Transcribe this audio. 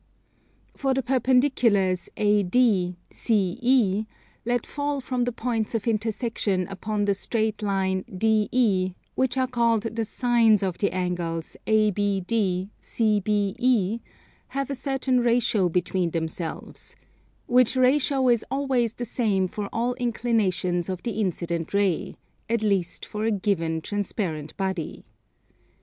For the perpendiculars AD, CE, let fall from the points of intersection upon the straight line DE, which are called the Sines of the angles ABD, CBE, have a certain ratio between themselves; which ratio is always the same for all inclinations of the incident ray, at least for a given transparent body.